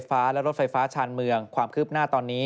โดยรฟทจะประชุมและปรับแผนให้สามารถเดินรถได้ทันในเดือนมิถุนายนปี๒๕๖๓